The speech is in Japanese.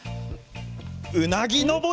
うなぎのぼり！